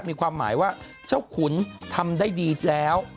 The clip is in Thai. มีความหมายว่าเจ้าขุนทำได้ดีแล้ว